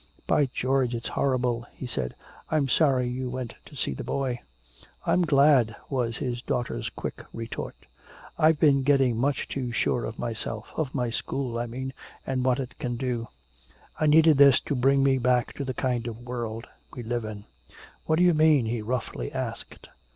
"By George, it's horrible!" he said. "I'm sorry you went to see the boy!" "I'm glad," was his daughter's quick retort. "I've been getting much too sure of myself of my school, I mean, and what it can do. I needed this to bring me back to the kind of world we live in!" "What do you mean?" he roughly asked.